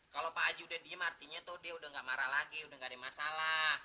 kalau pak aji udah diem artinya tuh dia udah gak marah lagi udah gak ada masalah